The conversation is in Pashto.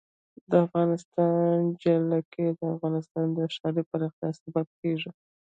د افغانستان جلکو د افغانستان د ښاري پراختیا سبب کېږي.